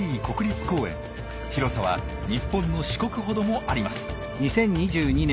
広さは日本の四国ほどもあります。